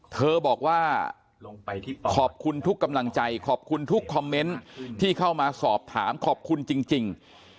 เธอบอกว่าขอบคุณทุกกำลังใจขอบคุณทุกคอมเมนต์ที่เข้ามาสอบถามขอบคุณจริง